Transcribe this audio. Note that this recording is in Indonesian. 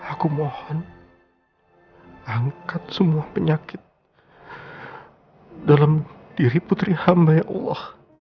aku mohon angkat semua penyakit dalam diri putri hamba ya allah